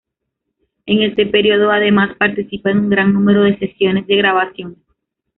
En este período, además, participa en un gran número de sesiones de grabación.